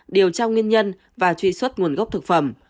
điều tra nguyên nhân và truy xuất nguồn gốc thực phẩm